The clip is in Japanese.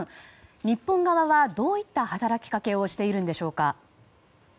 日本側は、どういった働きかけをしているんでしょうか。